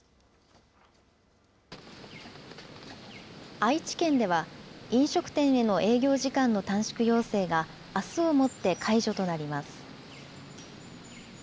愛知県では、飲食店への営業時間の短縮要請が、あすをもって解除となります。